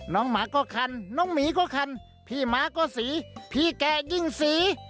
หมาก็คันน้องหมีก็คันพี่หมาก็สีพี่แก่ยิ่งสี